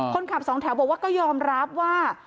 คนขับสองแถวบอกว่าก็ยอมรับว่า